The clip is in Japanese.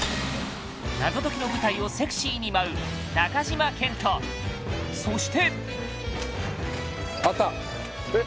謎解きの舞台をセクシーに舞う中島健人そしてあったえっ？